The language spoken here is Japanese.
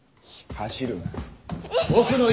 走るな。